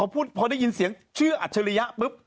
พอได้ยินเสียงเชื่ออัศยะ